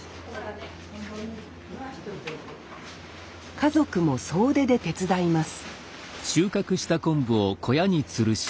家族も総出で手伝います